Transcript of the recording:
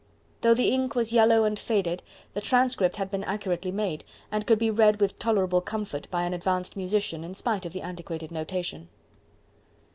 Though the ink was yellow and faded, the transcript had been accurately made, and could be read with tolerable comfort by an advanced musician in spite of the antiquated notation.